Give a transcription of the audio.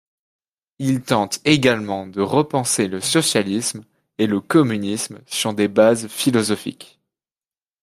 Il tente également de repenser le socialisme et le communisme sur des bases philosophiques.